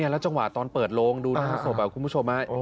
แล้วจังหวะตอนเปิดโลงดูหน้าศพคุณผู้ชม